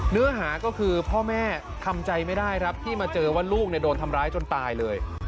เนื้อหาก็คือพ่อแม่ทำใจไม่ได้ครับที่มาเจอว่าลูกโดนทำร้ายจนตายเลย